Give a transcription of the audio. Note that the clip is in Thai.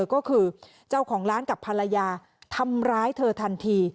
ก็คือเจ้าของร้านกับภรรยาทำร้ายเธอทันที